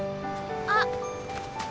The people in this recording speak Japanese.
あっ。